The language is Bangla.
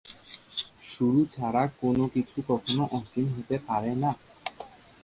শুরু ছাড়া কোনো কিছু কখনো অসীম হতে পারে না।